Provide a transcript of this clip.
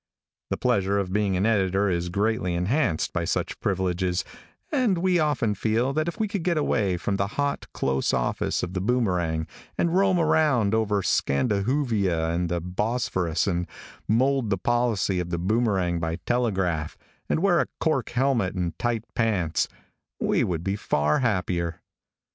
The pleasure of being an editor is greatly enhanced by such privileges, and we often feel that if we could get away from the hot, close office of The Boomerang, and roam around over Scandahoovia and the Bosphorus, and mould the policy of The Boomerang by telegraph, and wear a cork helmet and tight pants, we would be far happier.